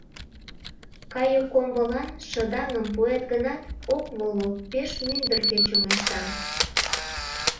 Кайыккомбылан шыдаҥым пуэт гынат, ок воло, пеш мӱндыркӧ чоҥешта.